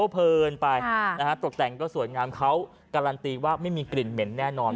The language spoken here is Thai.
เพลินไปตกแต่งก็สวยงามเขาการันตีว่าไม่มีกลิ่นเหม็นแน่นอน